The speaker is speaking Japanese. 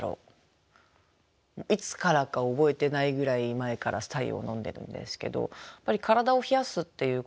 いつからか覚えてないぐらい前から白湯を飲んでるんですけどやっぱり体を冷やすっていうことが。